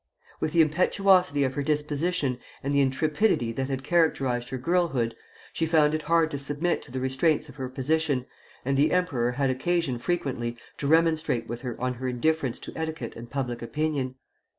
With the impetuosity of her disposition and the intrepidity that had characterized her girlhood, she found it hard to submit to the restraints of her position, and the emperor had occasion frequently to remonstrate with her on her indifference to etiquette and public opinion.